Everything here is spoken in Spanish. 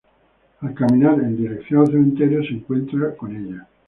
Al caminar en dirección al cementerio se encuentra con ella.